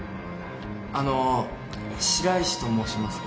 あの白石と申しますが。